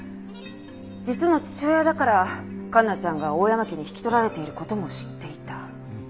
実の父親だから環奈ちゃんが大山家に引き取られている事も知っていた。